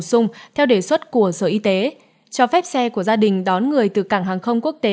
sung theo đề xuất của sở y tế cho phép xe của gia đình đón người từ cảng hàng không quốc tế